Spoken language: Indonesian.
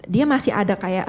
dia masih ada kayak